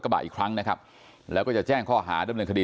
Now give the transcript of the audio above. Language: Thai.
บาทอีกครั้งนะครับแล้วก็จะแจ้งข้อหาดำเนินคดี